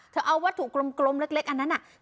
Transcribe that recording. เอาวัตถุกลมเล็กอันนั้นน่ะ